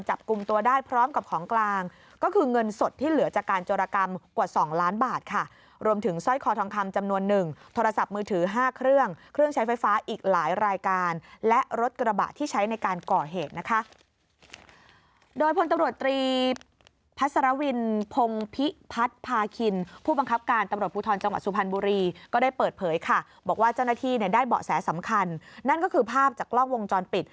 จำนวนหนึ่งโทรศัพท์มือถือห้าเครื่องเครื่องใช้ไฟฟ้าอีกหลายรายการและรถกระบะที่ใช้ในการก่อเหตุนะคะโดยพลตำรวจตรีพัทธ์สารวินพงพิพัทธ์พาคินผู้บังคับการตำรวจภูทรจังหวัดสุพรณบุรีก็ได้เปิดเผยค่ะบอกว่าเจ้าหน้าที่เนี่ยได้เบาะแสสำคัญนั่นก็คือภาพจากกล้องวง